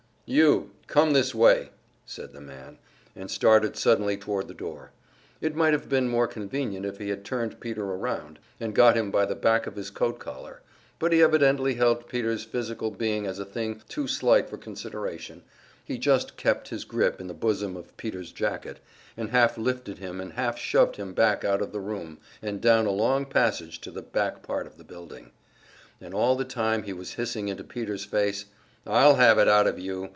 "You, come this way," said the man, and started suddenly toward the door. It might have been more convenient if he had turned Peter around, and got him by the back of his coat collar; but he evidently held Peter's physical being as a thing too slight for consideration he just kept his grip in the bosom of Peter's jacket, and half lifted him and half shoved him back out of the room, and down a long passage to the back part of the building. And all the time he was hissing into Peter's face: "I'll have it out of you!